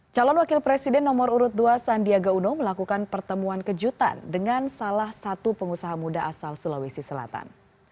calon wakil presiden nomor urut dua sandiaga uno melakukan pertemuan kejutan dengan salah satu pengusaha muda asal sulawesi selatan